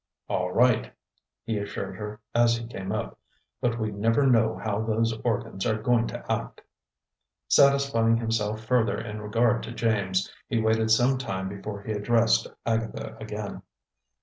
"All right!" he assured her as he came up. "But we never know how those organs are going to act." Satisfying himself further in regard to James, he waited some time before he addressed Agatha again.